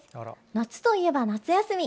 夏といえば夏休み。